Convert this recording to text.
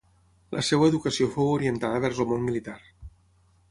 La seva educació fou orientada vers el món militar.